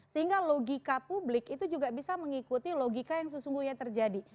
sehingga logika publik itu juga bisa mengikuti logika yang sesungguhnya terjadi